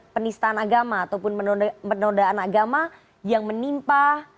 penistaan agama ataupun penodaan agama yang menimpa